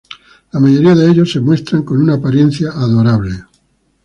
La mayoría de ellos se muestran con una apariencia adorable.